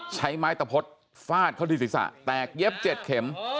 ใช้ไม้ตะพดฟาดเข้าที่ศีรษะแตกเย็บ๗เข็ม